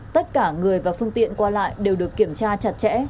tất cả người và phương tiện qua lại đều được kiểm tra chặt chẽ